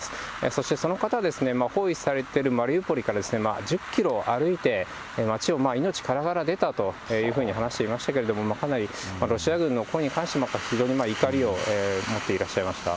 そしてその方は、包囲されているマリウポリから１０キロ歩いて、町を命からがら出たというふうに話していましたけれども、かなりロシア軍の行為に関して、非常に怒りを持っていらっしゃいました。